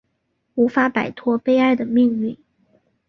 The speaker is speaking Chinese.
无法摆脱悲哀的命运